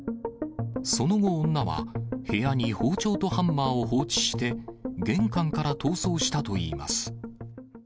その後、女は、部屋に包丁とハンマーを放置して、玄関から逃走したといいます。